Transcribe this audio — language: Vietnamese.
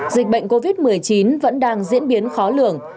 dịch bệnh covid một mươi chín vẫn đang diễn biến khó lường